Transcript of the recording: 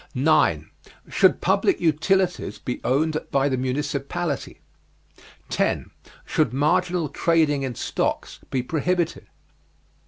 9. Should public utilities be owned by the municipality? 10. Should marginal trading in stocks be prohibited?